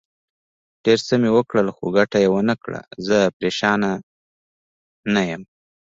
ډېر څه مې وکړل، خو ګټه یې ونه کړه، زه پرېشانه نه یم.